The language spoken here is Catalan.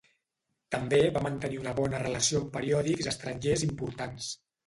També va mantenir una bona relació amb periòdics estrangers importants.